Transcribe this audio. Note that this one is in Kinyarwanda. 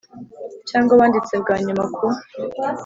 cyangwa abanditse bwa nyuma ku